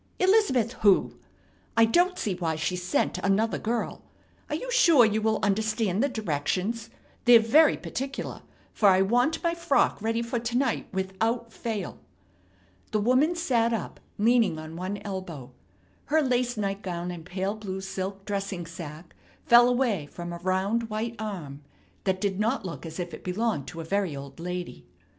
Elizabeth who? I don't see why she sent another girl. Are you sure you will understand the directions? They're very particular, for I want my frock ready for to night without fail." The woman sat up, leaning on one elbow. Her lace nightgown and pale blue silk dressing sack fell away from a round white arm that did not look as if it belonged to a very old lady.